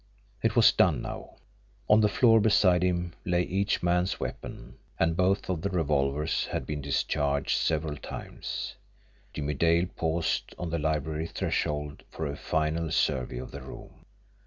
It was done now! On the floor beside him lay each man's weapon and both of the revolvers had been discharged several times. Jimmie Dale paused on the library threshold for a final survey of the room.